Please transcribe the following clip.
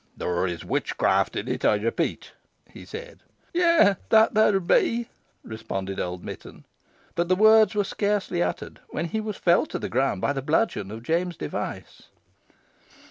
"There is witchcraft in it, I repeat," he said. "Yeigh, that there be," responded old Mitton. But the words were scarcely uttered, when he was felled to the ground by the bludgeon of James Device.